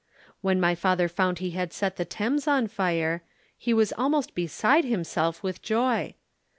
When my father found he had set the Thames on fire, he was almost beside himself with joy.